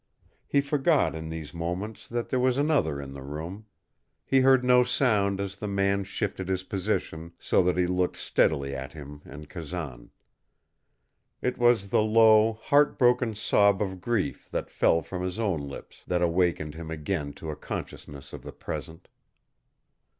He forgot in these moments that there was another in the room; he heard no sound as the man shifted his position so that he looked steadily at him and Kazan. It was the low, heart broken sob of grief that fell from his own lips that awakened him again to a consciousness of the present.